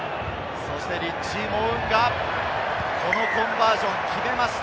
リッチー・モウンガ、このコンバージョンを決めました。